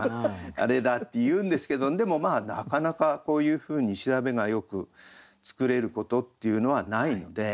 あれだって言うんですけどでもなかなかこういうふうに調べがよく作れることっていうのはないので。